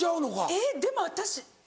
えっでも私。